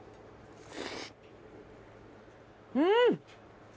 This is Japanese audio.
うん！